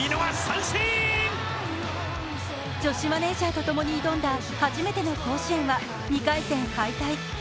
女子マネージャーと共に挑んだ初めての甲子園は２回戦敗退。